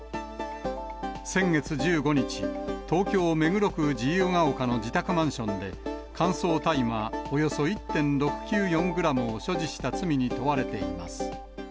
先月１５日、東京・目黒区自由が丘の自宅マンションで、乾燥大麻およそ１．６９４グラムを所持した罪に問われています。